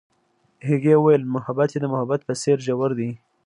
هغې وویل محبت یې د محبت په څېر ژور دی.